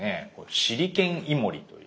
シリケンイモリという。